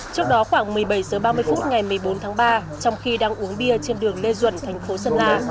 trước đó khoảng một mươi bảy h ba mươi phút ngày một mươi bốn tháng ba trong khi đang uống bia trên đường lê duẩn thành phố sơn la